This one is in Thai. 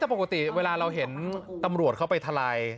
ปกติเวลาเราเห็นตำรวจเข้าไปทลาย